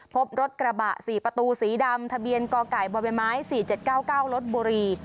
พบรถกระบะ๔ประตูสีดำทะเบียนกไก่บไม้๔๗๙๙ลบบุรี